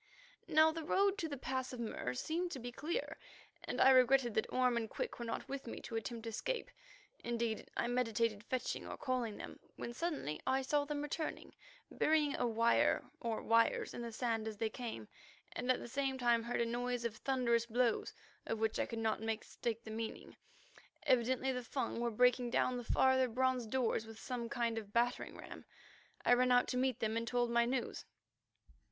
Now the road to the Pass of Mur seemed to be clear, and I regretted that Orme and Quick were not with me to attempt escape. Indeed, I meditated fetching or calling them, when suddenly I saw them returning, burying a wire or wires in the sand as they came, and at the same time heard a noise of thunderous blows of which I could not mistake the meaning. Evidently the Fung were breaking down the farther bronze doors with some kind of battering ram. I ran out to meet them and told my news.